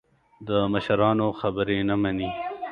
د مشرانو خبرې نه مني.